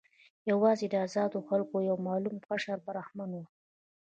یوازې د آزادو خلکو یو معلوم قشر برخمن و.